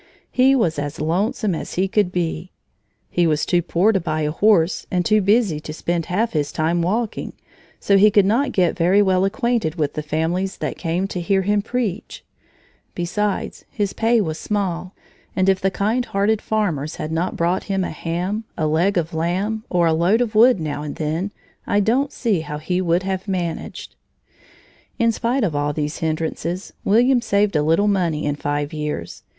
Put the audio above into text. He was as lonesome as he could be. He was too poor to buy a horse and too busy to spend half his time walking, so he could not get very well acquainted with the families that came to hear him preach. Besides, his pay was small, and if the kind hearted farmers had not brought him a ham, a leg of lamb, or a load of wood now and then, I don't see how he would have managed. In spite of all these hindrances, William saved a little money in five years.